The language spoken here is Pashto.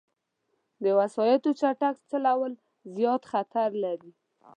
د وسايطو چټک چلول، زیاد خطر لري